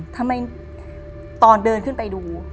ทำไมตอนเดินขึ้นไปดู